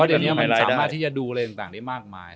เพราะวันนี้มันสามารถดูอะไรต่างมากมาย